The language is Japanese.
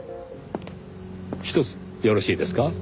ひとつよろしいですか？